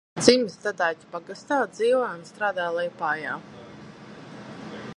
Dzimis Tadaiķu pagastā, dzīvoja un strādāja Liepājā.